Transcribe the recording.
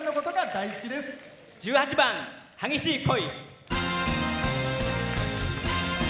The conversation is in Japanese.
１８番「激しい恋」。